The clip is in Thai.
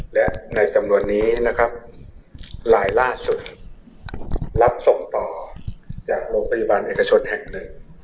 และในจำนวนนี้นะครับลายล่าสุดรับส่งต่อจากโรงพยาบาลเอกชนแห่งหนึ่ง